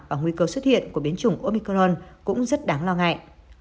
và nguy cơ xuất hiện của biến chủng omicron cũng rất đáng lo ngại